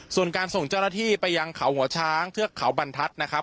ส่วนการส่งเจ้าหน้าที่ไปยังเขาหัวช้างเทือกเขาบรรทัศน์นะครับ